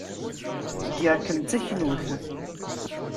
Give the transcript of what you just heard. Ggiɣ-kem d taklut.